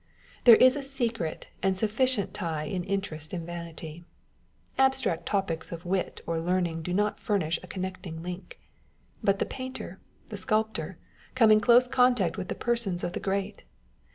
There is a secret and sufficient tie in interest and vanity. Abstract topics of wit or learning do not furnish a con necting link : but the painter, the sculptor, come in close contact with the persons of the Great.